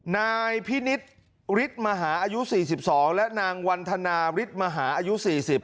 นายพินิศฤทธิ์มหาอายุสี่สิบสองและนางวันธนาฤทธิ์มหาอายุสี่สิบ